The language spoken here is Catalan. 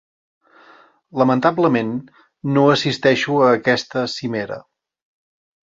Lamentablement, no assisteixo a aquesta cimera.